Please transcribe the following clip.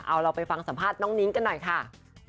เอาเราไปฟังสัมภาษณ์น้องนิ้งกันหน่อยค่ะ